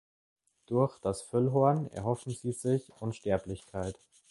Durch das Füllhorn erhoffen sie sich Unsterblichkeit.